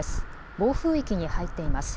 暴風域に入っています。